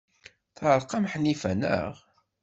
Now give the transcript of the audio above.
Teɛreq-am Ḥnifa, naɣ?